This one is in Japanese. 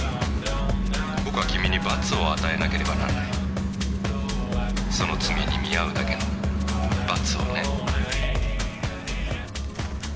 「僕は君に罰を与えなければならない」「その罪に見合うだけの罰をね」